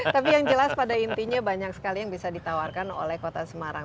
tapi yang jelas pada intinya banyak sekali yang bisa ditawarkan oleh kota semarang